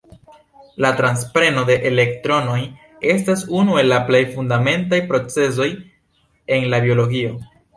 La transpreno de elektronoj estas unu el la plej fundamentaj procezoj en la biologio.